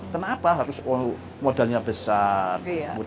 kenapa harus modalnya besar